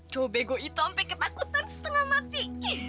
cowok bego itu sampai ketakutan setengah mati